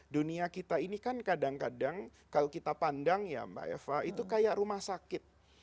dunia kita ini kan kadang kadang kalau kita pandang ya mbak eva itu kayak rumah sakit